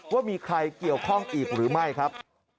ว่ามีใครเกี่ยวข้องอีกหรือไม่ครับ